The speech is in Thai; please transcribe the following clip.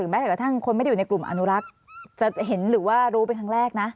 แม้แต่กระทั่งคนไม่ได้อยู่ในกลุ่มอนุรักษ์จะเห็นหรือว่ารู้เป็นครั้งแรกนะ